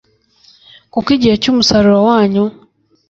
kuko igihe cy’umusaruro wanyu,